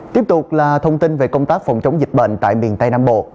tiếp tục là thông tin về công tác phòng chống dịch bệnh tại miền tây nam bộ